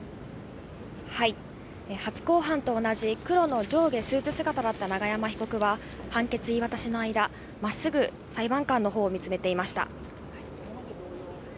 初公判と同じ黒の上下スーツ姿だった永山被告は、判決言い渡しの間、まっすぐ裁判官のほうを見つめていました。